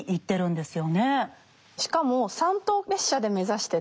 しかも三等列車で目指してて。